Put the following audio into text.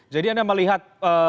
jadi anda melihat